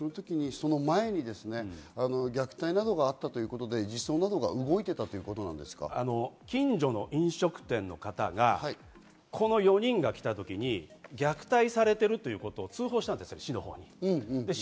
歩夢くんが亡くなったそのときやその前に虐待などがあったということで、自相などが動いてい近所の飲食店の方が４人が来た時に虐待されているということを通報したんです、市のほうに。